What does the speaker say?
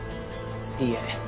いいえ。